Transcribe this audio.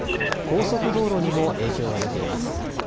高速道路にも影響が出ています。